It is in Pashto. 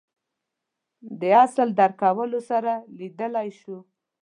دې اصل درک کولو سره لیدلای شو